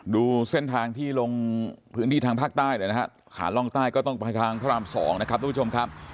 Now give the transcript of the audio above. ดูเส้นทางที่ลงพื้นที่ทางภาคใต้หน่อยนะฮะขาล่องใต้ก็ต้องไปทางพระราม๒นะครับทุกผู้ชมครับ